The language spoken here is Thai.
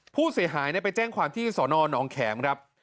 ผู้เสียหายไปแจ้งความที่สอนอนหนองแขมครับ